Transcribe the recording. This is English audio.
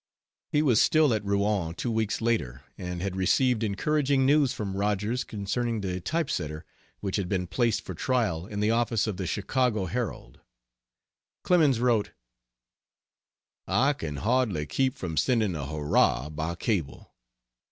He was still at Rouen two weeks later and had received encouraging news from Rogers concerning the type setter, which had been placed for trial in the office of the Chicago Herald. Clemens wrote: "I can hardly keep from sending a hurrah by cable.